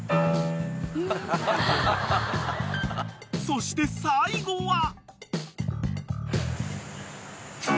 ［そして最後は］